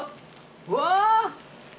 うわ。